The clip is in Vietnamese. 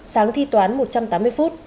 sáng thi toán một trăm tám mươi phút